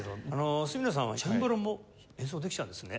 角野さんはチェンバロも演奏できちゃうんですね。